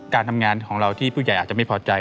การทำงานของเราที่ผู้ใหญ่อาจจะไม่พอใจ